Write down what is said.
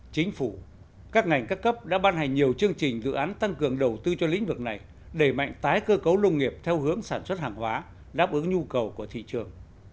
chính phủ các ngành các cấp đã ban hành nhiều chương trình dự án tăng cường đầu tư cho lĩnh vực này đẩy mạnh tái cơ cấu nông nghiệp theo hướng sản xuất hàng hóa đáp ứng nhu cầu của thị trường